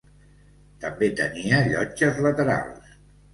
També tenia llotges laterals.